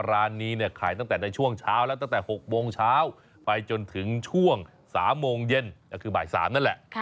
ร้านนี้เนี่ยขายตั้งแต่ในช่วงเช้าแล้วตั้งแต่๖โมงเช้าไปจนถึงช่วง๓โมงเย็นก็คือบ่าย๓นั่นแหละ